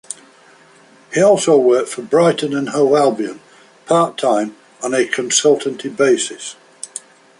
He also worked for Brighton and Hove Albion part-time on a consultancy basis.